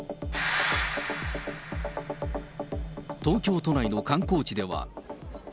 東京都内の観光地では。